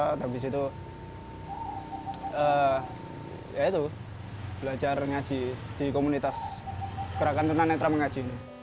habis itu ya itu belajar ngaji di komunitas gerakan tunanetra mengaji